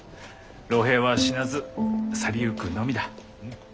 老兵は死なず去りゆくのみだ。